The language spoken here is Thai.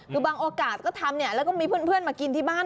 คือบางโอกาสก็ทำเนี่ยแล้วก็มีเพื่อนมากินที่บ้าน